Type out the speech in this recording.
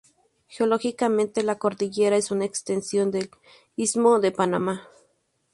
Geológicamente, la cordillera es una extensión del istmo de Panamá.